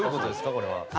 これは。